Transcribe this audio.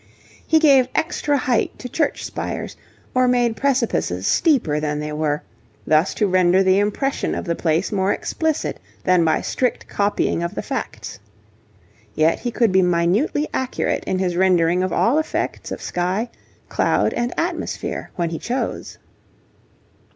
He gave extra height to church spires, or made precipices steeper than they were, thus to render the impression of the place more explicit than by strict copying of the facts. Yet he could be minutely accurate in his rendering of all effects of sky, cloud, and atmosphere when he chose.